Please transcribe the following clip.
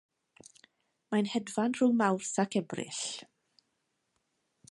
Mae'n hedfan rhwng Mawrth ac Ebrill.